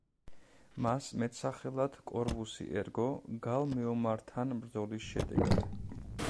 მას მეტსახელი კორვუსი ერგო გალ მეომართან ბრძოლის შედეგად.